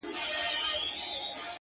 اوس مي هم ښه په ياد دي زوړ نه يمه;